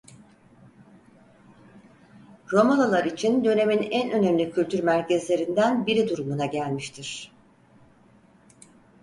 Romalılar için dönemin en önemli kültür merkezlerinden biri durumuna gelmiştir.